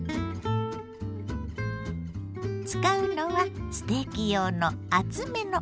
使うのはステーキ用の厚めの牛もも肉。